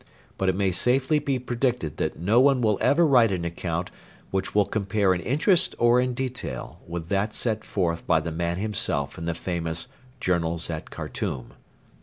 But it may safely be predicted that no one will ever write an account which will compare in interest or in detail with that set forth by the man himself in the famous. 'Journals at Khartoum.'